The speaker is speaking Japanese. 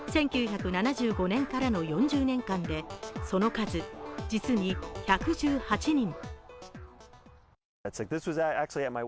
１９７５年からの４０年間でその数、実に１１８人。